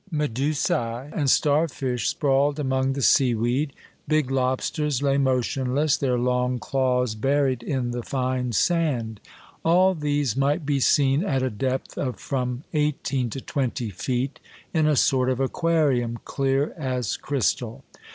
Medusae and starfish sprawled among the seaweed. Big lobsters lay motionless, their long claws buried in the fine sand. All these might be seen at a depth of from eighteen to twenty feet, in a sort of aquarium, clear as crystal.